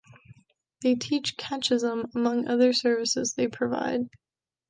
They teach catechism, among other services they provide.